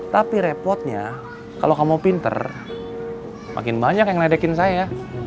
tapi repotnya kalau kamu pinter makin banyak yang nedekin saya